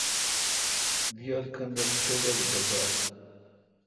دییال کّن رل توبَک ڈزال۔